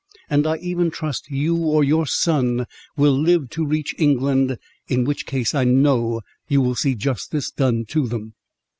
and I even trust you or your son will live to reach England, in which case I know you will see justice done to them."